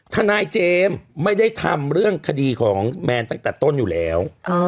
ทนายเจมส์ไม่ได้ทำเรื่องคดีของแมนตั้งแต่ต้นอยู่แล้ว